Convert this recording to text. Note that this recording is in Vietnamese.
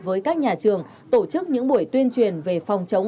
với các nhà trường tổ chức những buổi tuyên truyền về phòng chống